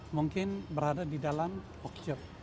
mungkin berada di dalam workshop